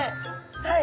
はい。